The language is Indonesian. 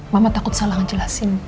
mama takut salah ngejelasin